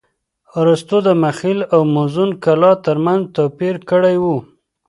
ارستو د مخيل او موزون کلام ترمنځ توپير کړى و.